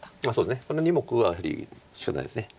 その２目はやはりしかたないです。